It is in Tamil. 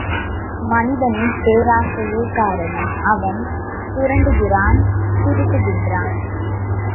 மனிதனின் பேராசையே காரணம், அவன் சுரண்டுகிறான் சுருட்டுகின்றான்.